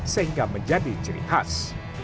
sehingga menjadi ciri khas